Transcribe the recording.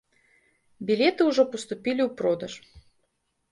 Білеты ўжо паступілі ў продаж.